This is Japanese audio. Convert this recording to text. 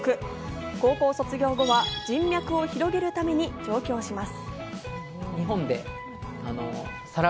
高校卒業後は人脈を広げるために上京します。